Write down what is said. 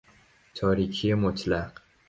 تاریکی مطلق